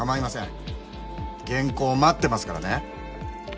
原稿待ってますからね！